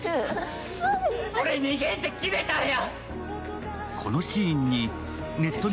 俺、逃げんって決めたんや！